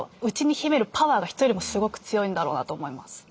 内に秘めるパワーが人よりもすごく強いんだろうなと思います。